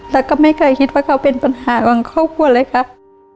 แล้วก็ไม่เคยคิดว่าเขาเป็นปัญหาของครอบครัวเลยครับ